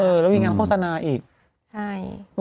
เออแล้วมีงานโฆษณาอีก